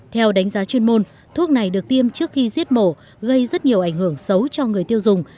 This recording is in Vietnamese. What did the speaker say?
theo đánh giá chuyên môn thuốc này được tiêm trước khi giết mổ gây rất nhiều ảnh hưởng xấu cho người tiêu dùng